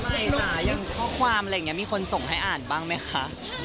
ไม่ค่ะอย่างข้อความอะไรอย่างนี้มีคนส่งให้อ่านบ้างไหมคะ